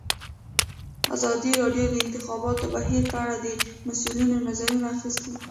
ازادي راډیو د د انتخاباتو بهیر په اړه د مسؤلینو نظرونه اخیستي.